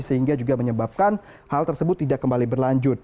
sehingga juga menyebabkan hal tersebut tidak kembali berlanjut